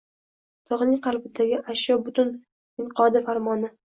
Togʻning qalbidagi ashyo butun minqodi farmoni